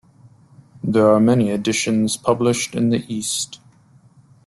There are many editions published in the East.